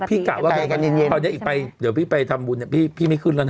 พี่กะว่าเดี๋ยวพี่ไปทำบุญเนี่ยพี่ไม่ขึ้นแล้วนะ